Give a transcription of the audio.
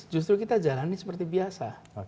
justru kita jalani seperti biasa